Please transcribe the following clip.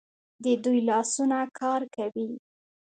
د دوی لاسونه کار کوي.